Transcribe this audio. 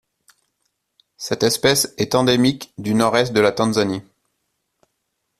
Cette espèce est endémique du Nord-Est de la Tanzanie.